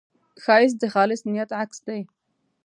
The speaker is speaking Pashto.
ښایست د خالص نیت عکس دی